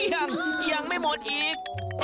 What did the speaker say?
ยังยังไม่หมดอีก